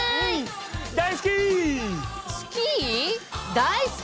大好き？